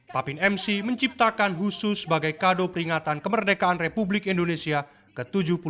papin mc menciptakan khusus sebagai kado peringatan kemerdekaan republik indonesia ke tujuh puluh dua